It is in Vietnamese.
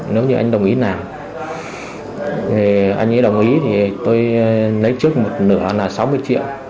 nếu như anh đồng ý làm thì anh ấy đồng ý thì tôi lấy trước một nửa là sáu mươi triệu